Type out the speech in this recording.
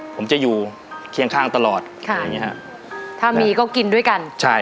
ผมจะอยู่เคียงข้างตลอดค่ะอย่างเงี้ฮะถ้ามีก็กินด้วยกันใช่